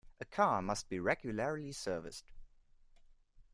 A car must be regularly serviced.